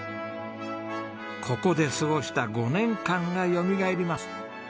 ここで過ごした５年間がよみがえります。